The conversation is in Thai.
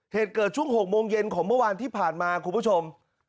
เหตุเกิดช่วง๖โมงเย็นของเมื่อวานที่ผ่านมาคุณผู้ชม